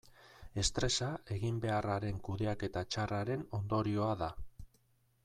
Estresa eginbeharraren kudeaketa txarraren ondorioa da.